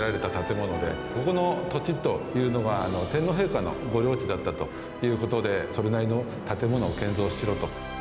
昭和８年に建てられた建物で、ここの土地というのが、天皇陛下の御料地だったということで、それなりの建物を建造しろと。